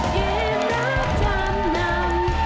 เกมรับทางน้ำ